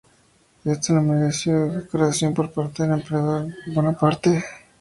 Esto le mereció una condecoración por parte del emperador Bonaparte.